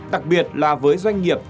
đặc biệt là với doanh nghiệp